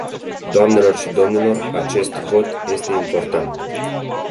Doamnelor și domnilor, acest vot este important.